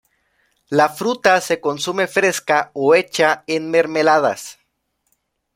La fruta se consume fresca o hecha en mermeladas.